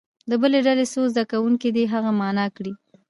د بلې ډلې څو زده کوونکي دې هغه معنا کړي.